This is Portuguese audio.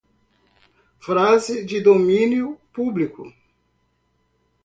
Frase de domínio publico